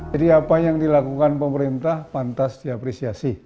jadi apa yang dilakukan pemerintah pantas diapresiasi